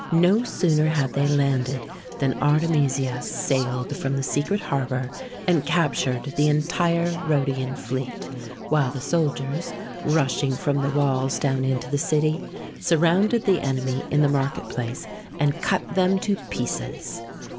No sooner had they landed than Artemisia sailed from the secret harbour, and captured the entire Rhodian fleet, while the soldiers, rushing from the walls down into the city, surrounded the enemy in the market place and cut them to pieces.